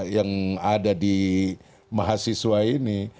yang ada di mahasiswa ini